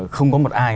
không có một ai